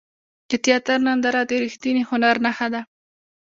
د تیاتر ننداره د ریښتیني هنر نښه ده.